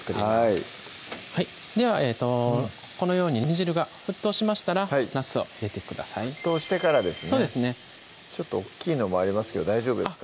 はいではこのように煮汁が沸騰しましたらなすを入れてください沸騰してからですねちょっと大っきいのもありますけど大丈夫ですか？